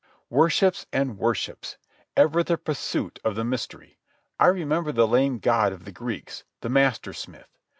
Worships and worships! Ever the pursuit of the Mystery! I remember the lame god of the Greeks, the master smith.